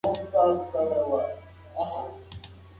اقتصادي سیاستونه باید د ټولو لپاره وي.